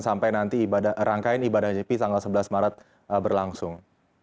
sampai nanti rangkaian ibadah nyepi tanggal sebelas maret berlangsung